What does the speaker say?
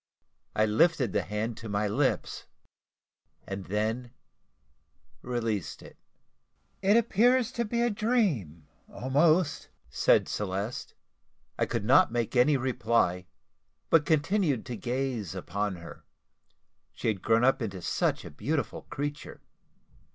I lifted the hand to my lips, and then released it. "It appears to be a dream, almost," said Celeste. I could not make any reply, but continued to gaze upon her she had grown up into such a beautiful creature.